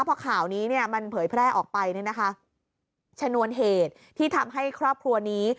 พอข่าวนี้เนี่ยมันเผยแพร่ออกไปเนี่ยนะคะชนวนเหตุที่ทำให้ครอบครัวนี้